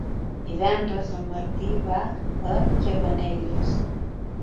Divendres en Martí va a Cabanelles.